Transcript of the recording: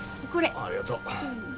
ありがとう。